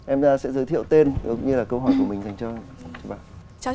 em sẽ giới thiệu tên cũng như là câu hỏi của mình dành cho bạn